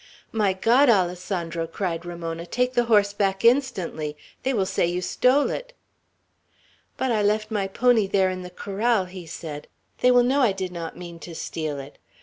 "My God! Alessandro," cried Ramona. "Take the horse back instantly. They will say you stole it." "But I left my pony there in the corral," he said. "They will know I did not mean to steal it.